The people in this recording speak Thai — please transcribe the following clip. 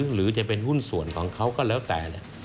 หรือจะเป็นหุ้นส่วนของเขาก็แล้วแต่